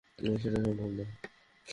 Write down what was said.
সেটাও সম্ভব না।